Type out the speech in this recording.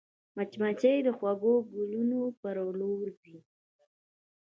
مچمچۍ د خوږو ګلونو پر لور ځي